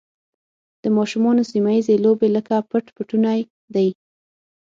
د ماشومانو سیمه ییزې لوبې لکه پټ پټونی دي.